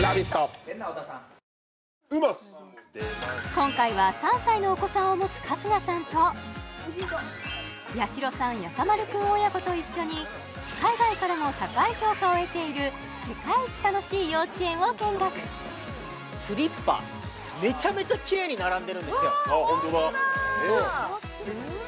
今回は３歳のお子さんを持つ春日さんとやしろさんやさ丸くん親子と一緒に海外からも高い評価を得ているスリッパめちゃめちゃキレイに並んでるんですよああ